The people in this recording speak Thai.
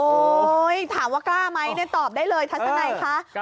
ถามว่ากล้าไหมเนี่ยตอบได้เลยทัศนัยคะ